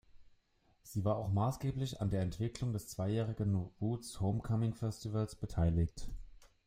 Sie war auch maßgeblich an der Entwicklung des zweijährigen Roots Homecoming Festivals beteiligt.